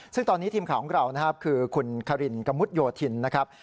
ซึ่งตอนนี้ทีมข่าวของเรานะครับคือคุณคารินกะมุดโยธินนะครับ